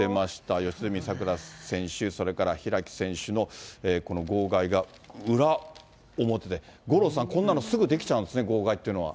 四十住さくら選手、それから開選手のこの号外が、裏表で、五郎さん、こんなのすぐ出来ちゃうんですね、号外っていうのは。